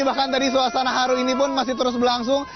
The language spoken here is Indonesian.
bahkan tadi suasana haru ini pun masih terus berlangsung